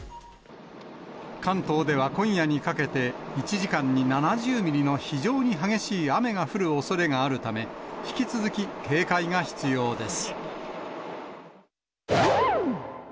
関東では今夜にかけて、１時間に７０ミリの非常に激しい雨が降るおそれがあるため、引き続き、警戒が必要です。